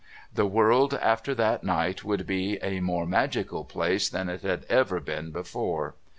The world after that night would be a more magical place than it had ever been before.